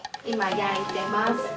いまやいてます。